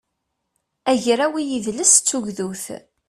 agraw i yidles d tugdut